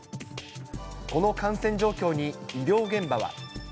この感染状況に、医療現場は。